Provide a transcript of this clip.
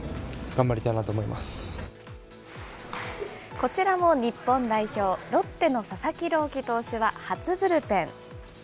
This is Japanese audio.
こちらも日本代表、ロッテの佐々木朗希投手は、初ブルペン。